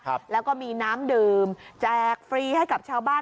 ครับแล้วก็มีน้ำดื่มแจกฟรีให้กับชาวบ้าน